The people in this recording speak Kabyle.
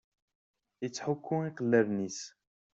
Ittḥukku iqellalen-is.